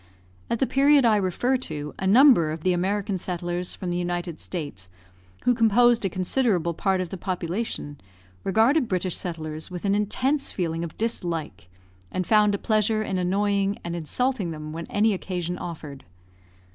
At the period I refer to, a number of the American settlers from the United States, who composed a considerable part of the population, regarded British settlers with an intense feeling of dislike, and found a pleasure in annoying and insulting them when any occasion offered.